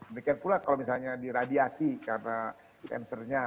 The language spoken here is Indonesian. begitu pula kalau misalnya diradiasi karena kankernya